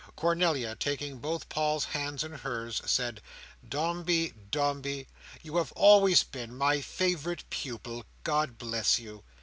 Cornelia, taking both Paul's hands in hers, said, "Dombey, Dombey, you have always been my favourite pupil. God bless you!"